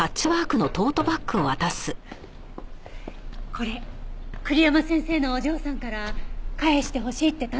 これ栗山先生のお嬢さんから返してほしいって頼まれたの。